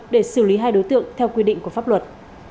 để xử lý hai đối tượng theo quy định của pháp luật